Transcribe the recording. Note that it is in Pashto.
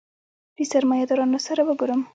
د سرمایه دارانو سره وګورم.